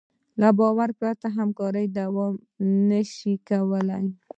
له باور پرته همکاري دوام نهشي کولی.